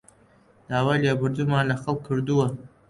داوای لێبوردنمان لە خەڵک کردووە